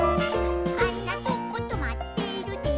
「あんなとことまってるでんしゃも」